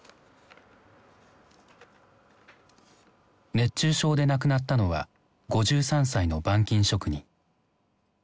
熱中症で亡くなったのは５３歳の板金職人。